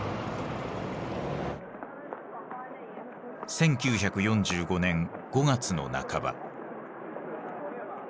１９４５年５月の半ば。